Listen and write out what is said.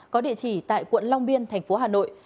có địa chỉ tại quận long biên thành phố hà nội